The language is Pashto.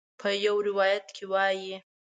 په یو روایت کې وایي.